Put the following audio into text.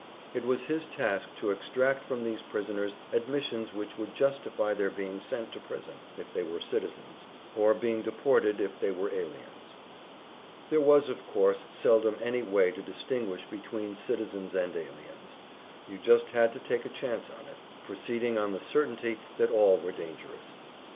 It was his task to extract from these prisoners admissions which would justify their being sent to prison if they were citizens, or being deported if they were aliens. There was of course seldom any way to distinguish between citizens and aliens; you just had to take a chance on it, proceeding on the certainty that all were dangerous.